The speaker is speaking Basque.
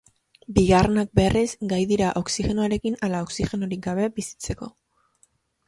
Bigarrenak, berriz, gai dira oxigenoarekin ala oxigenorik gabe bizitzeko.